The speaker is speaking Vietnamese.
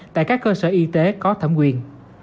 tại các cơ sở y tế có thẩm quyền